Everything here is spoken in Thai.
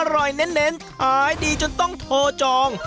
เน้นขายดีจนต้องโทรจอง